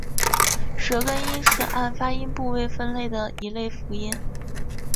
舌根音是按发音部位分类的一类辅音。